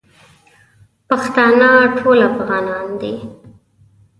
پښتانه ټول افغانان دی